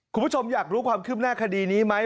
คุณผู้ชมอยากรู้ความคืบหน้าคดีนี้ไหม